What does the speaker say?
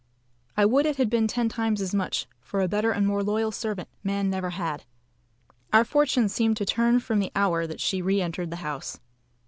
I would it had been ten times as much, for a better and a more loyal servant man never had. Our fortunes seemed to turn from the hour that she re entered the house.